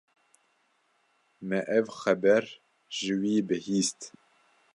Me ev xeber ji wî bihîst.